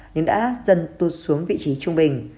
nhưng đã dần tuột xuống vị trí trung bình